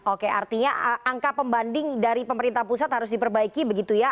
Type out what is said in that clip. oke artinya angka pembanding dari pemerintah pusat harus diperbaiki begitu ya